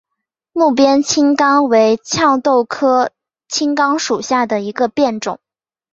睦边青冈为壳斗科青冈属下的一个变种。